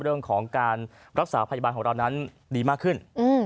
เรื่องของการรักษาพยาบาลของเรานั้นดีมากขึ้น